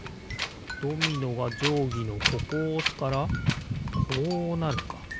ドミノがじょうぎのここをおすからこうなるか。